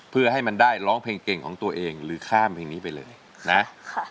เพื่อให้มันได้ร้องเพลงเก่งของตัวเองหรือข้ามเพลงนี้ไปเลยนะ